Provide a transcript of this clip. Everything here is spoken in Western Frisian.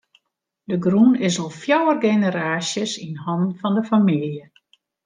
De grûn is al fjouwer generaasjes yn hannen fan de famylje.